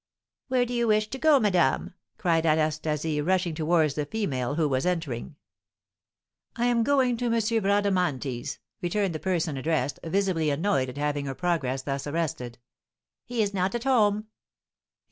"Where do you wish to go, madame?" cried Anastasie, rushing towards the female, who was entering. "I am going to M. Bradamanti's," returned the person addressed, visibly annoyed at having her progress thus arrested. "He is not at home."